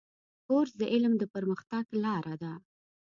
کورس د علم د پرمختګ لاره ده.